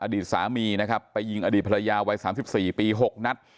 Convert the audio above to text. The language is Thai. อดีตสามีนะครับไปยิงอดีตภรรยาวัยสามสิบสี่ปีหกนัด